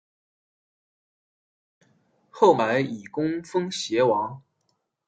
后来以功封偕王。